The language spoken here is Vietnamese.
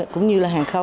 cũng như là hàng khóa